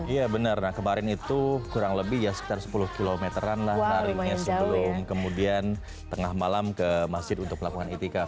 iya benar nah kemarin itu kurang lebih ya sekitar sepuluh km an lah nariknya sebelum kemudian tengah malam ke masjid untuk melakukan itikaf